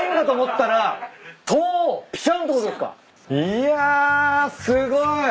いやすごい！